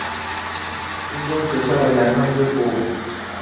英宗时升为南康知府。